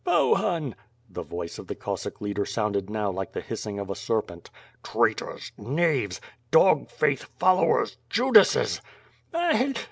"Bohunr The voice of the Cossack leader sounded now like the hissing of a serpent. "Traitors! knaves, dog faith followers! Judases!